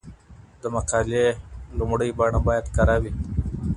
د مقالي لومړۍ بڼه باید کره وي.